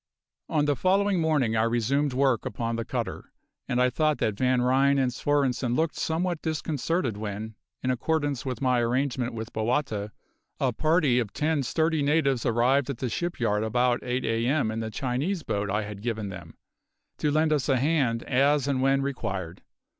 On the following morning I resumed work upon the cutter; and I thought that Van Ryn and Svorenssen looked somewhat disconcerted when, in accordance with my arrangement with Bowata, a party of ten sturdy natives arrived at the shipyard about 8 a.m. in the Chinese boat I had given them, to lend us a hand as and when required.